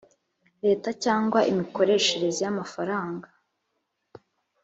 leta cyangwa imikoreshereze y amafaranga